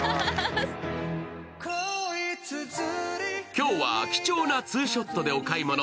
今日は貴重なツーショットでお買い物。